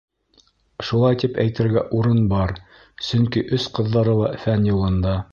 Шулай тип әйтергә урын бар, сөнки өс ҡыҙҙары ла фән юлында.